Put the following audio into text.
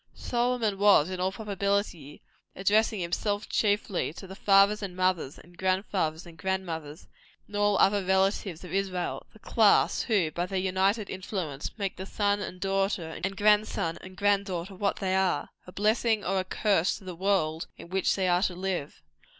Solomon was, in all probability, addressing himself chiefly to the fathers and mothers, and grand fathers and grand mothers, and other relatives of Israel; the class who, by their united influence, make the son and daughter, and grand son and grand daughter, what they are a blessing or a curse to the world in which they are to live.